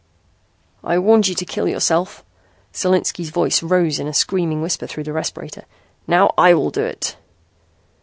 "I warned you to kill yourself," Solinski's voice rose in a screaming whisper through the respirator. "Now I will do it."